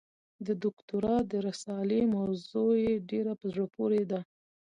د دوکتورا د رسالې موضوع یې ډېره په زړه پورې ده.